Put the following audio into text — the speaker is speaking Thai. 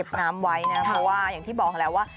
น้ำไว้นะเพราะว่าอย่างที่บอกแล้วว่า